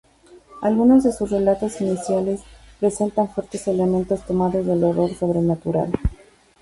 Algunos de sus relatos iniciales presentan fuertes elementos tomados del horror sobrenatural.